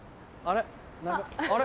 あれ？